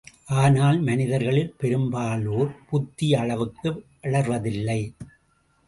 ஆனால் மனிதர்களில் பெரும்பாலோர், புத்தி அளவுக்கு வளர்வதில்லை.